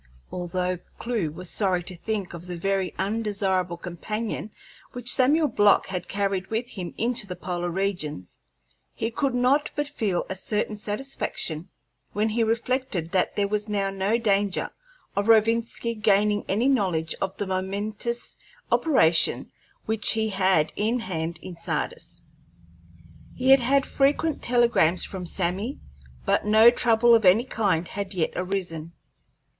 Although Clewe was sorry to think of the very undesirable companion which Samuel Block had carried with him into the polar regions, he could not but feel a certain satisfaction when he reflected that there was now no danger of Rovinski gaining any knowledge of the momentous operations which he had in hand in Sardis. He had had frequent telegrams from Sammy, but no trouble of any kind had yet arisen.